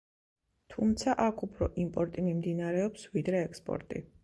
თუმცა აქ უფრო იმპორტი მიმდინარეობს, ვიდრე ექსპორტი.